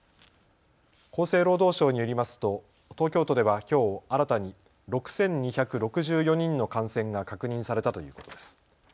厚生労働省によりますと東京都ではきょう新たに６２６４人の感染が確認されたということです。